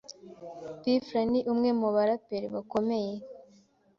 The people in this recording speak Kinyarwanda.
P Fla ni umwe mu baraperi bakomeye